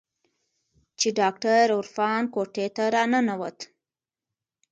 چې ډاکتر عرفان کوټې ته راننوت.